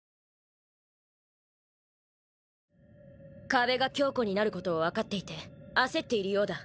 壁が強固になることを分かっていて焦っているようだ。